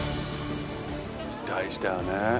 大事だよね